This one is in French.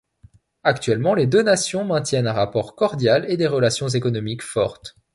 Actuellement, les deux nations maintiennent un rapport cordial et des relations économiques fortes.